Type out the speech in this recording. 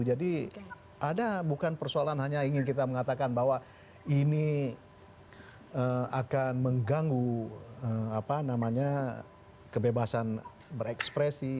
jadi ada bukan persoalan hanya ingin kita mengatakan bahwa ini akan mengganggu apa namanya kebebasan berekspresi